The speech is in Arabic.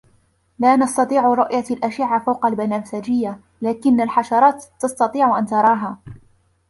لا نسطيع رؤية الأشعّة فوق البنفسجيّة، لكنّ الحشرات تستطيع أن تراها.